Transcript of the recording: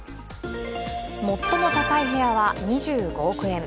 最も高い部屋は２５億円。